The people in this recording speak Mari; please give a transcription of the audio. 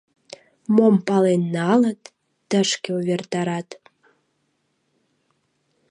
Мом пален налыт, тышке увертарат.